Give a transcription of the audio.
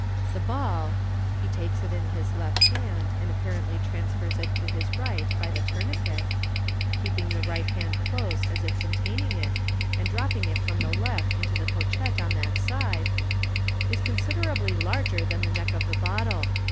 The ball " (he takes it in his left hand, and apparently transfers it to his right by the tourniquet, keeping the right hand closed as if containing it, and dropping it from the left into the pochette on that side) " is consider ably larger than the neck of the bottle.